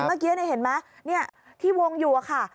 เมื่อกี้เห็นไหมที่วงอยู่อะค่ะ